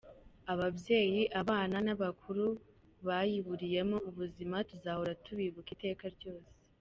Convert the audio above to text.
Ababyeyi, abana n’abakuru bayiburiyemo ubuzima tuzahora tubibuka iteka ryose.